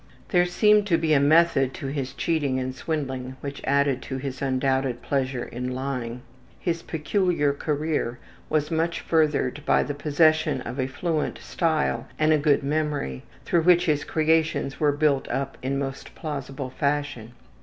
There seemed to be a method in his cheating and swindling which added to his undoubted pleasure in lying. His peculiar career was much furthered by the possession of a fluent style and a good memory through which his creations were built up in most plausible fashion.